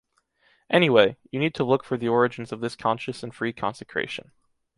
Anyway, you need to look for the origins of this conscious and free consecration.